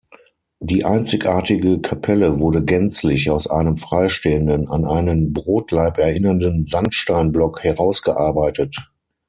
Die einzigartige Kapelle wurde gänzlich aus einem freistehenden, an einen Brotlaib erinnernden Sandsteinblock herausgearbeitet.